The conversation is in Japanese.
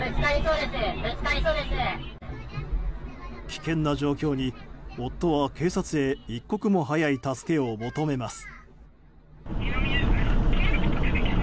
危険な状況に、夫は警察へ一刻も早い助けを求めます。